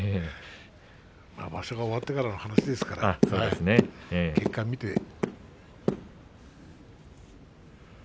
場所が終わってからの話ですから結果を見て。